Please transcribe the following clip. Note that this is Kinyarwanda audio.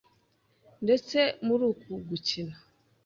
ndetse muri uku gukina,